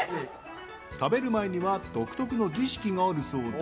食べる前には独特の儀式があるそうで。